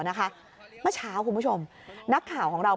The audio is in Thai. เมื่อเช้าคุณผู้ชมนักข่าวของเรา